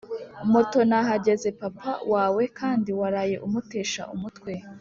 moto nahageze papa wawe kandi waraye umutesha umutwe